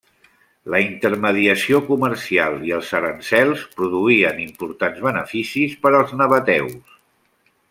La intermediació comercial i els aranzels produïen importants beneficis per als nabateus.